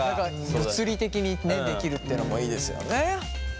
物理的にできるってのもいいですよね。